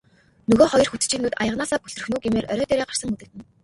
Нөгөө хоёр хөтчийн нүд аяганаасаа бүлтрэх нь үү гэмээр орой дээрээ гарсан үзэгдэнэ.